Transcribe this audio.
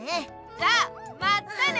じゃあまたね！